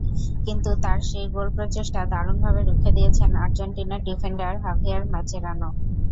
কিন্তু তাঁর সেই গোল প্রচেষ্টা দারুণভাবে রুখে দিয়েছেন আর্জেন্টিনার ডিফেন্ডার হাভিয়ের মাচেরানো।